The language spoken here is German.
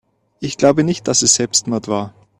Ich glaube nicht, dass es Selbstmord war.